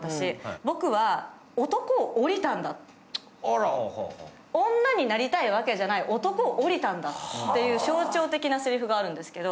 僕は男を降りたんだ、女になりたいわけじゃない、男を降りたんだという象徴的なせりふがあるんですけど。